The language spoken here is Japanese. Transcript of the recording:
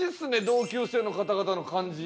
同級生の方々の感じ。